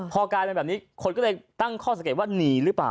พอกลายเป็นแบบนี้คนก็เลยตั้งข้อสังเกตว่าหนีหรือเปล่า